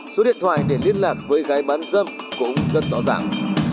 số điện thoại để liên lạc với gái bán dâm cũng rất rõ ràng